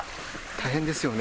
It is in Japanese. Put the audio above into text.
大変ですよね。